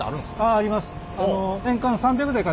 あああります。